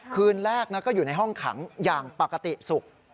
คืนแรกก็อยู่ในห้องขังอย่างปกติสุข